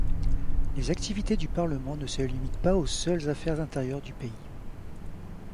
Les activités du Parlement ne se limitent pas aux seules affaires intérieures du pays.